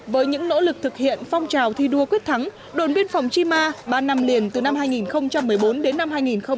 với những nỗ lực thực hiện phong trào thi đua quyết thắng đồn biên phòng chima ba năm liền từ năm hai nghìn một mươi bốn đến năm hai nghìn một mươi tám